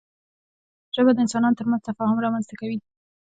ژبه د انسانانو ترمنځ تفاهم رامنځته کوي